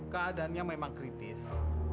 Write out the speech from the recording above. keadaannya memang kritis